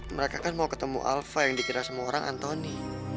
mereka kan mau ketemu alpha yang dikira semua orang anthony